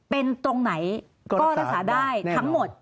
เป็นตรงไหนก็รักษาได้ทั้งหมด